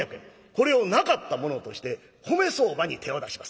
これをなかったものとして米相場に手を出します。